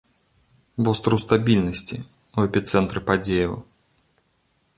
Востраў стабільнасці ў эпіцэнтры падзеяў.